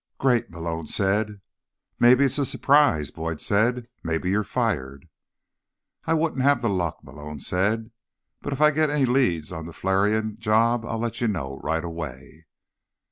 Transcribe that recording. "Great," Malone said. "Maybe it's a surprise," Boyd said. "Maybe you're fired." "I wouldn't have the luck," Malone said. "But if I get any leads on the Flarion job, I'll let you know right away."